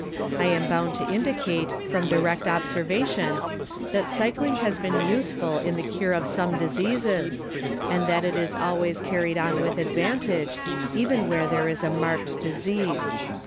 I am bound to indicate from direct observation that cycling has been WHAT TO AVOID IN CYCLING. 179 useful in the cure of some diseases and that it is always carried on with advantage, even when there is a marked disease.